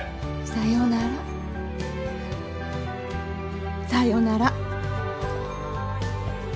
「さよなら、さよなら！」。